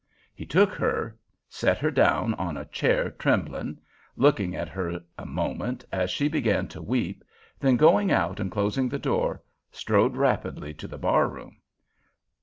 He took her, set her down in a chair trembling, looked at her a moment as she began to weep, then, going out and closing the door, strode rapidly to the bar room.